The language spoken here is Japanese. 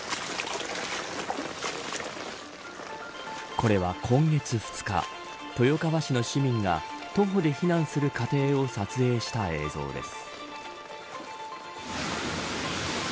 これは、今月２日豊川市の市民が徒歩で避難する過程を撮影した映像です。